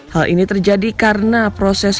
hal ini terjadi karena proses